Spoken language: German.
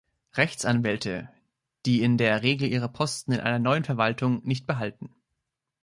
Rechtsanwälte, die in der Regel ihre Posten in einer neuen Verwaltung nicht behalten.